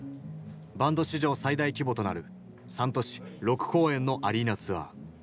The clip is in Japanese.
バンド史上最大規模となる３都市６公演のアリーナツアー。